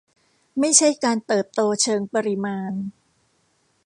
ไม่ใช่การเติบโตเชิงปริมาณ